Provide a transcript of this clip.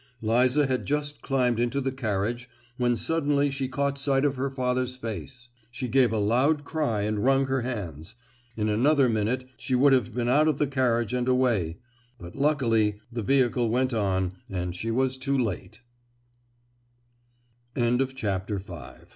Liza had just climbed into the carriage when suddenly she caught sight of her father's face; she gave a loud cry and wrung her hands,—in another minute she would have been out of the carriage and away, but luckily the vehicle went on and she